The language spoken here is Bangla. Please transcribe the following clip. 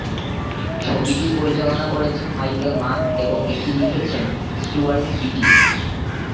ছবিটি পরিচালনা করেছেন মাইকেল মান, এবং এটি লিখেছেন স্টুয়ার্ট বিটি।